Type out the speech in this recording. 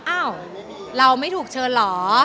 อ้าวเราไม่ถูกเชิญเหรอ